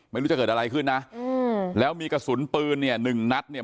ไม่รู้จะเกิดอะไรขึ้นนะอืมแล้วมีกระสุนปืนเนี่ยหนึ่งนัดเนี่ย